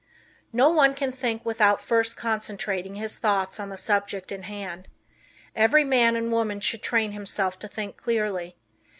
No one can think without first concentrating his thoughts on the subject in hand. Every man and woman should train himself to think clearly.